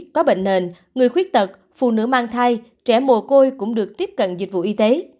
có bệnh nền người khuyết tật phụ nữ mang thai trẻ mồ côi cũng được tiếp cận dịch vụ y tế